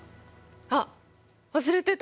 あっ忘れてた！